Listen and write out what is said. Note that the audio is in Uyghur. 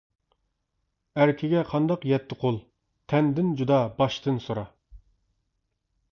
ئەركىگە قانداق يەتتى قۇل؟ تەندىن جۇدا باشتىن سورا.